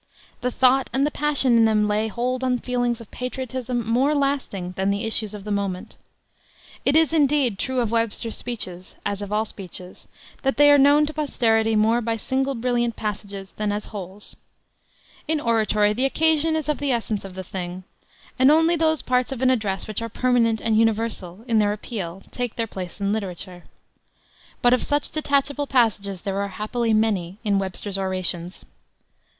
The thought and the passion in them lay hold on feelings of patriotism more lasting than the issues of the moment. It is, indeed, true of Webster's speeches, as of all speeches, that they are known to posterity more by single brilliant passages than as wholes. In oratory the occasion is of the essence of the thing, and only those parts of an address which are permanent and universal in their appeal take their place in literature. But of such detachable passages there are happily many in Webster's orations.